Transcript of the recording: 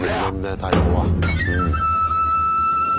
太鼓は。